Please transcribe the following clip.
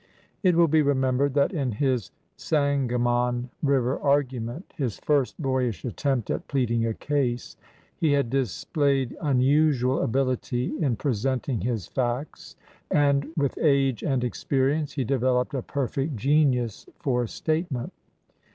It will be remembered that in his Sangamon River argument— his first boyish attempt at pleading a case — he had displayed unusual ability in presenting his facts, and with age and ex perience he developed a perfect genius for state ment.